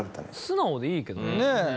素直でいいけどね。